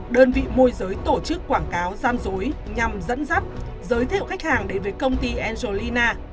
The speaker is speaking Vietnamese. đơn vị môi giới tổ chức quảng cáo gian dối nhằm dẫn dắt giới thiệu khách hàng đến với công ty angelina